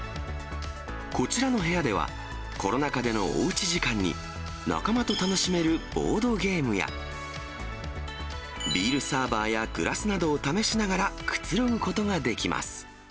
こちらの部屋では、コロナ禍でのおうち時間に、仲間と楽しめるボードゲームや、ビールサーバーやグラスなどを試しながらくつろぐことができます。